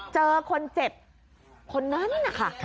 เจอคนเจ็บคนนั้นนะคะ